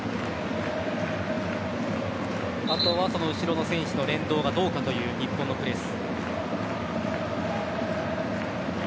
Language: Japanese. あとは後ろの選手の連動がどうかという日本のプレス。